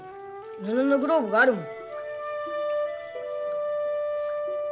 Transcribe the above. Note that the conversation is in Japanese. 布のグローブがあるもん。